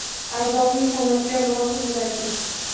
Ardoqli san’atkor, mohir murabbiy